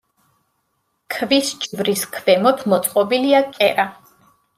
ქვის ჯვრის ქვემოთ მოწყობილია კერა.